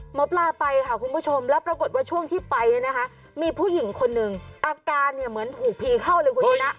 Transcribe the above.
หมอปลาไปค่ะคุณผู้ชมแล้วปรากฏว่าช่วงที่ไปเนี่ยนะคะมีผู้หญิงคนหนึ่งอาการเนี่ยเหมือนถูกผีเข้าเลยคุณชนะ